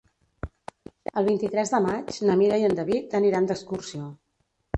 El vint-i-tres de maig na Mira i en David aniran d'excursió.